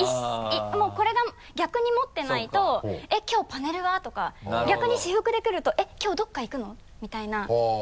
もうこれが逆に持ってないと「えっきょうパネルは？」とか逆に私服で来ると「えっきょうどこか行くの？」みたいな。